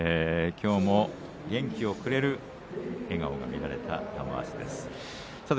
きょうも元気をくれる笑顔が見られた玉鷲です。